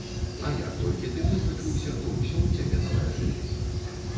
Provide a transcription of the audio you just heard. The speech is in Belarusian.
А як толькі ты вызначыўся, то ўсё ў цябе наладжваецца.